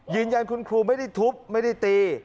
ยืนยันคุณครูไม่ได้ทุบไม่ได้ตี